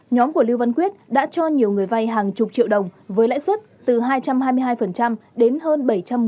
nhóm của lưu văn quyết đã cho nhiều người vay hàng chục triệu đồng với lãi suất từ hai trăm hai mươi hai đến hơn bảy trăm một mươi